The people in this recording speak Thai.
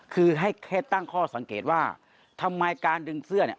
คือให้แค่ตั้งข้อสังเกตว่าทำไมการดึงเสื้อเนี่ย